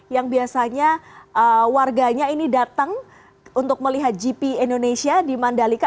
yang biasanya warganya ini datang untuk melihat gp indonesia di mandalika